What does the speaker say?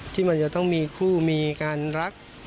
ที่มันจะต้องมีคู่มีการรัก